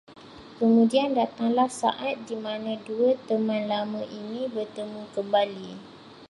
Kemudian datanglah saat dimana dua teman lama ini bertemu kembali